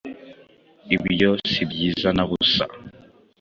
Ibyo si byiza nabusa